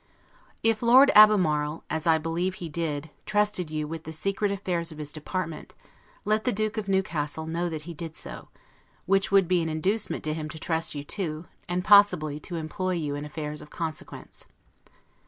If Lord Albemarle (as I believe he did) trusted you with the secret affairs of his department, let the Duke of Newcastle know that he did so; which will be an inducement to him to trust you too, and possibly to employ you in affairs of consequence.